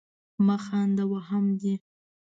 مه خانده ! وهم دي.